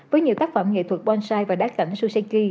với nhiều tác phẩm nghệ thuật bonsai và đá cảnh suzuki